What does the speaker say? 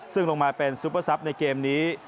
ซึ่งลงมาเป็นซุปเปอร์ซับในเกมนี้